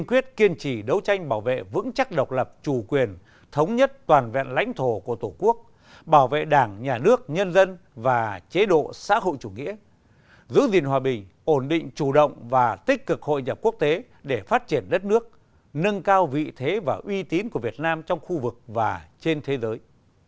kiên quyết kiên trì đấu tranh bảo vệ vững chắc độc lập chủ quyền thống nhất toàn vẹn lãnh thổ của tổ quốc bảo vệ đảng nhà nước nhân dân và chế độ xã hội chủ nghĩa giữ gìn hòa bình ổn định chủ động và tích cực hội nhập quốc tế để phát triển đất nước nâng cao vị thế và uy tín của việt nam trong khu vực và trên thế giới